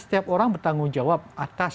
setiap orang bertanggung jawab atas